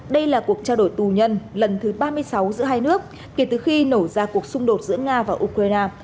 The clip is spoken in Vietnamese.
đây là cuộc trao đổi tù nhân lần thứ ba mươi sáu giữa hai nước kể từ khi nổ ra cuộc xung đột giữa nga và ukraine